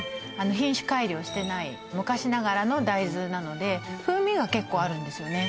品種改良してない昔ながらの大豆なので風味が結構あるんですよね